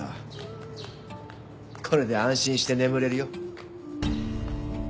これで安心して眠れるよ